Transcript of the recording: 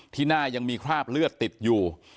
หน้ายังมีคราบเลือดติดอยู่